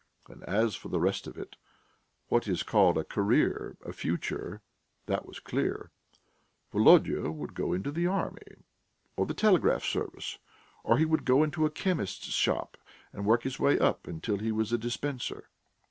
And as for the rest of it, what is called a career, a future, that was clear; Volodya would go into the army or the telegraph service, or he would go into a chemist's shop and work his way up till he was a dispenser....